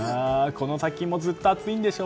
この先もずっと暑いんでしょ？